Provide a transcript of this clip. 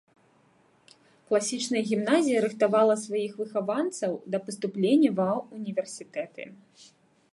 Класічная гімназія рыхтавала сваіх выхаванцаў да паступлення ва ўніверсітэты.